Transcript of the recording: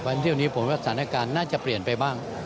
เพราะฉะนั้นสถานการณ์น่าจะเปลี่ยนไปบ้าง